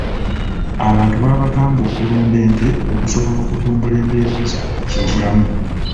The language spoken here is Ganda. Abantu baabagamba okulunda ente okusobola okutumbula embeera zaabwe ez'obulamu.